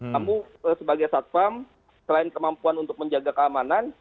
kamu sebagai satpam selain kemampuan untuk menjaga keamanan